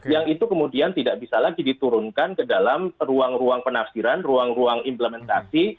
yang itu kemudian tidak bisa lagi diturunkan ke dalam ruang ruang penafsiran ruang ruang implementasi